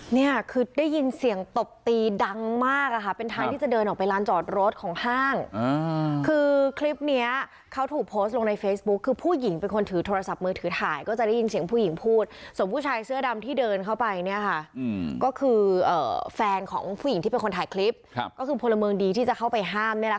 เนี่ยคือได้ยินเสียงตบตีดังมากอะค่ะเป็นทางที่จะเดินออกไปร้านจอดรถของห้างคือคลิปเนี้ยเขาถูกโพสต์ลงในเฟซบุ๊คคือผู้หญิงเป็นคนถือโทรศัพท์มือถือถ่ายก็จะได้ยินเสียงผู้หญิงพูดส่วนผู้ชายเสื้อดำที่เดินเข้าไปเนี่ยค่ะก็คือแฟนของผู้หญิงที่เป็นคนถ่ายคลิปก็คือพลเมืองดีที่จะเข้าไปห้าม